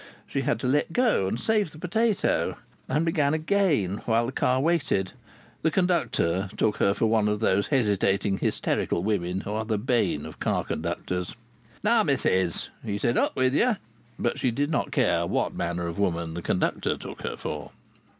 She had to let go and save the potato, and begin again, while the car waited. The conductor took her for one of those hesitating, hysterical women who are the bane of car conductors. "Now, missis!" he said. "Up with ye!" But she did not care what manner of woman the conductor took her for.